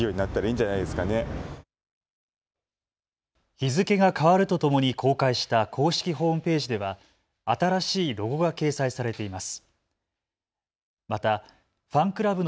日付が変わるとともに公開した公式ホームページでは新しいロゴが掲載されています。